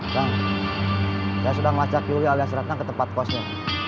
saya sedang ngelacak yuli alias ratna ke tempat kosnya